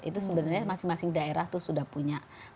itu sebenarnya masing masing daerah itu sudah punya